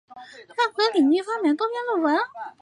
她和在领域发表多篇论文。